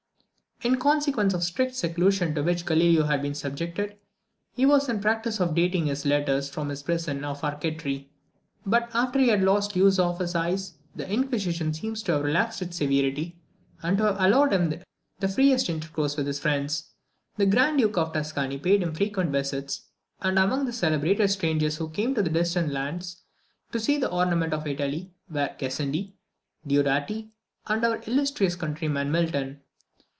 In consequence of the strict seclusion to which Galileo had been subjected, he was in the practice of dating his letters from his prison at Arcetri; but after he had lost the use of his eyes, the Inquisition seems to have relaxed its severity, and to have allowed him the freest intercourse with his friends. The Grand Duke of Tuscany paid him frequent visits; and among the celebrated strangers who came from distant lands to see the ornament of Italy, were Gassendi, Deodati, and our illustrious countryman Milton.